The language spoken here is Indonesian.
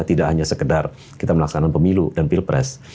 tidak hanya sekedar kita melaksanakan pemilu dan pilpres